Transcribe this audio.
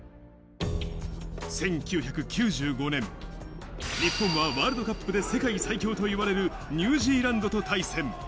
１９９５年、日本はワールドカップで世界最強といわれるニュージーランドと対戦。